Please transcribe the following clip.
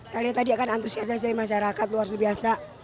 saya lihat tadi akan antusias dari masyarakat luar biasa